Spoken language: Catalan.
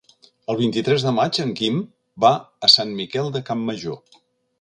El vint-i-tres de maig en Guim va a Sant Miquel de Campmajor.